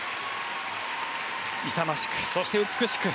勇ましく、そして美しく。